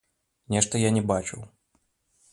Нешта я не бачыў.